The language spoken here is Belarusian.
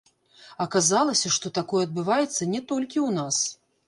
Аказалася, што такое адбываецца не толькі ў нас.